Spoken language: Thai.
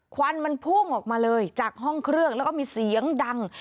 ควันมันพุ่งออกมาเลยจากห้องเครื่องแล้วก็มีเสียงดัง